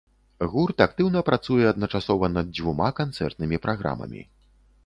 Гурт актыўна працуе адначасова над дзвюма канцэртнымі праграмамі.